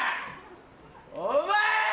お前！